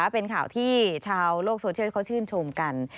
เป็นข่าวที่ชาวโลกโซเชียลเขาชื่นชมกัน